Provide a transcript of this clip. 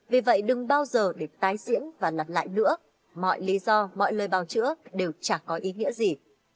vì vậy đừng bao giờ để tái diễn và lặp lại nữa mọi lý do mọi lời bào chữa đều chả có ý nghĩa gì